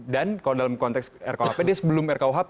dan kalau dalam konteks rkuhp dia sebelum rkuhp